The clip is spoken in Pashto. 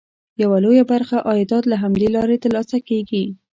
یوه لویه برخه عایدات له همدې لارې ترلاسه کېږي.